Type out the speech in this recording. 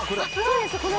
これ！